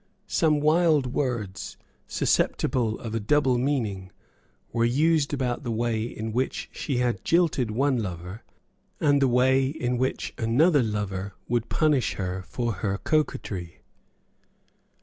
Some wild words, susceptible of a double meaning, were used about the way in which she had jilted one lover, and the way in which another lover would punish her for her coquetry.